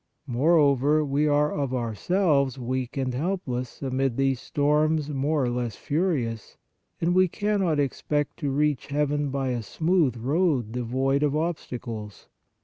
Moreover, we are of ourselves weak and helpless amid these storms more or less furious, and we cannot expect to reach heaven by a smooth road devoid of obstacles.